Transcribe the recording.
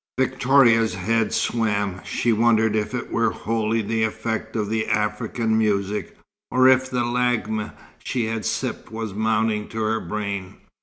Victoria's head swam. She wondered if it were wholly the effect of the African music, or if the lagmi she had sipped was mounting to her brain.